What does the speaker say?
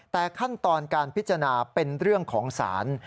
แต่ขั้นตอนการพิจารณาเป็นเรื่องของศาล